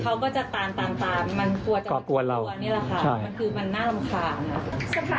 มันคือมันน่ารำคาญ